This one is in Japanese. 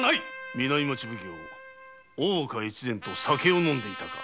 南町奉行・大岡越前と酒を飲んでいたか。